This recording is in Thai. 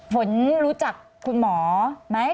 ผลรู้จักคุณหมอไหม